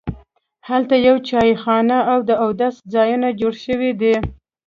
هلته یوه چایخانه او د اودس ځایونه جوړ شوي دي.